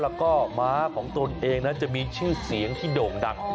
แล้วก็ม้าของตนเองนั้นจะมีชื่อเสียงที่โด่งดัง